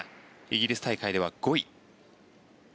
イギリス大会では５位。